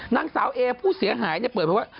นางสาวเอผู้เสียหายเปิดไปว่า